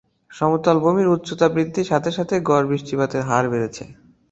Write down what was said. সমতল ভূমির উচ্চতা বৃদ্ধির সাথে সাথে গড় বৃষ্টিপাতের হার বেড়েছে।